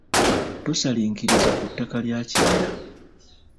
Tosalinkiriza ku ttaka lya kibira.